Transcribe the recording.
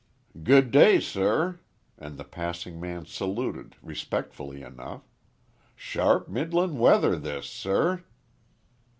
"Good day, sir," and the passing man saluted, respectfully enough. "Sharp, middlin' weather, this, sir?"